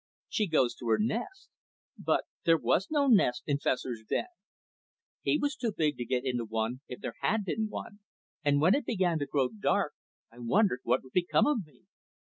She goes to her nest. But there was no nest in Fessor's den. He was too big to get into one if there had been one, and when it began to grow dark I wondered what would become of me.